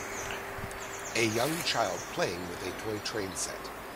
A young child playing with a toy train set